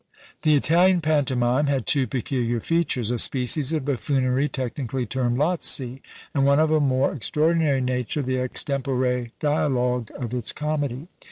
The Italian Pantomime had two peculiar features; a species of buffoonery technically termed Lazzi, and one of a more extraordinary nature, the extempore dialogue of its comedy.